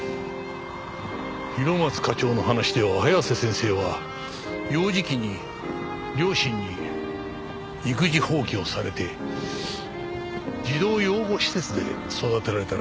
広松課長の話では早瀬先生は幼児期に両親に育児放棄をされて児童養護施設で育てられたらしい。